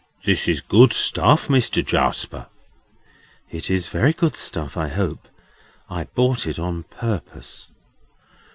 "This is good stuff, Mister Jarsper!" "It is very good stuff, I hope.—I bought it on purpose."